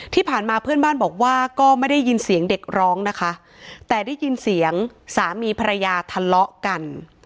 ที่ผ่านมาเพื่อนบ้านบอกว่าก็ไม่ได้ยินเสียงเด็กร้องนะคะแต่ได้ยินเสียงสามีภรรยาทะเลาะกัน